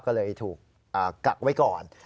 ก็เลยถูกกักไว้ก่อน